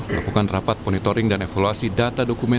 melakukan rapat monitoring dan evaluasi data dokumen